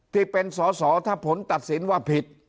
ที่เป็นสอสอถ้าผลตัดสินว่าผิด